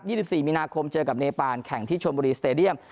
สิบสี่มีนาคมเจอกับเนปานแข่งที่ชนบุรีสเตดียม